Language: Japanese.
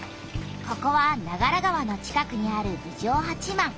ここは長良川のちかくにある郡上八幡。